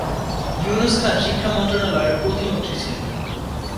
ইউনুস খান শিক্ষা মন্ত্রণালয়ের প্রতিমন্ত্রী ছিলেন।